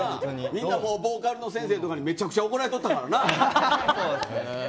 みんなボーカルの先生とかにめちゃくちゃ怒られてたからな。